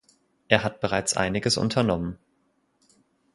Er hat bereits einiges unternommen.